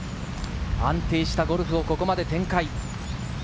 安定したゴルフをここまで展開。